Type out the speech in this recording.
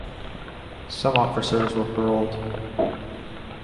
Some officers were paroled.